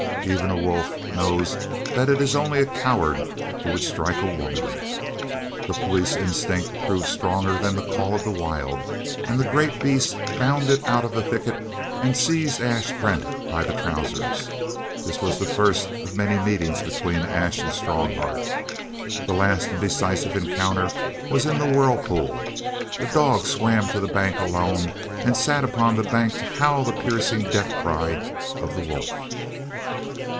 Even a wolf knows that it is only a coward who would strike a woman. The police instinct proved stronger than the call of the wild and the great beast bounded out of the thicket and seized Ash Brent by the trousers. This was the first of many meetings between Ash and Strongheart. The last and decisive encounter was in the whirlpool. The dog swam to the bank alone and sat upon the bank to howl the piercing death cry of the wolf.